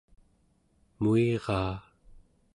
muiraa